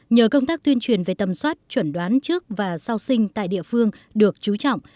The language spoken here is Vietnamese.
nhờ công tác tuyên truyền về tầm soát chuẩn đoán trước và sau sinh tại địa phương được chú trọng